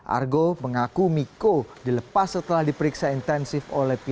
argo mengaku miko dilepas setelah diperiksa intensif